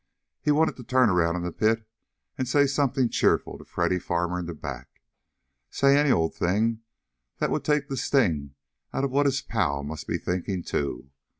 He wanted to turn around in the pit and say something cheerful to Freddy Farmer in back. Say any old thing that would take the sting out of what his pal must be thinking, too.